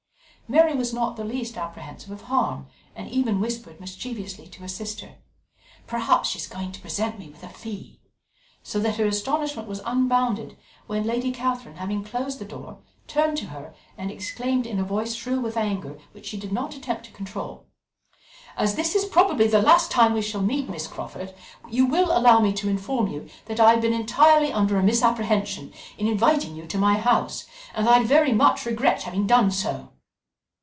Mary was not the least apprehensive of harm, and even whispered mischievously to her sister: "Perhaps she is going to present me with a fee!" so that her astonishment was unbounded when Lady Catherine, having closed the door, turned to her and exclaimed in a voice shrill with anger, which she did not attempt to control: "As this is probably the last time we shall meet, Miss Crawford, you will allow me to inform you that I have been entirely under a misapprehension in inviting you to my house, and that I very much regret having done so."